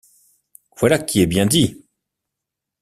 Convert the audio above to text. Voilà qui est bien dit!